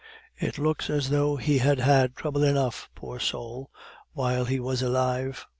It looks as though he had had trouble enough, poor soul, while he was alive."